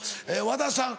和田さん